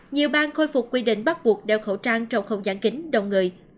nhiều bang khôi phục quy định bắt buộc đeo khẩu trang trong không gian kính đông người